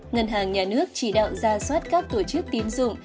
ngân hàng nhà nước chỉ đạo ra soát các tổ chức tín dụng